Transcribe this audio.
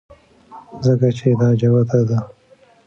ځکه چې دا جوته ده